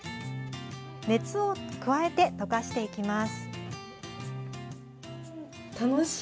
熱を加えて溶かしていきます。